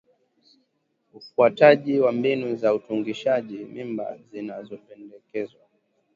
Ufuataji wa mbinu za utungishaji mimba zinazopendekezwa